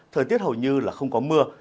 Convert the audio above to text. thời tiết hầu như là không có mưa